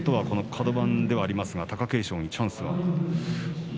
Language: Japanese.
カド番ではありますが貴景勝にチャンスは？